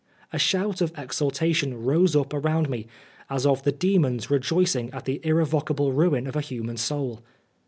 A shout of exultation rose up around me, as of the demons rejoicing at the irre vocable ruin of a human soul.